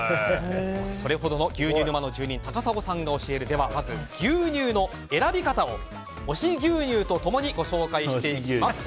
それほどの牛乳沼の住人高砂さんが教える、まず牛乳の選び方を推し牛乳と共にご紹介していきます。